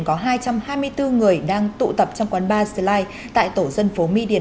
có hai trăm hai mươi bốn người đang tụ tập trong quán bar sli tại tổ dân phố my điền